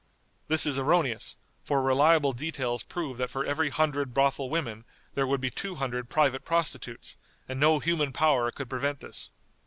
This is erroneous, for reliable details prove that for every hundred brothel women there would be two hundred private prostitutes, and no human power could prevent this.